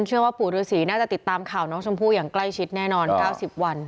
เชื่อว่าปู่ฤษีน่าจะติดตามข่าวน้องชมพู่อย่างใกล้ชิดแน่นอน๙๐วัน